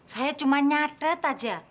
saya cuma nyadret aja